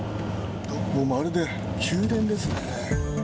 まるで宮殿ですね。